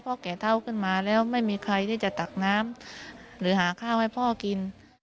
แก่เท่าขึ้นมาแล้วไม่มีใครที่จะตักน้ำหรือหาข้าวให้พ่อกิน